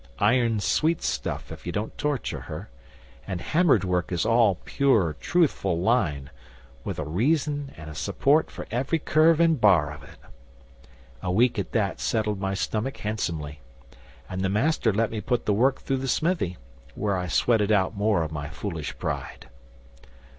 Iron's sweet stuff if you don't torture her, and hammered work is all pure, truthful line, with a reason and a support for every curve and bar of it. A week at that settled my stomach handsomely, and the Master let me put the work through the smithy, where I sweated out more of my foolish pride.